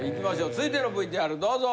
続いてのＶＴＲどうぞ。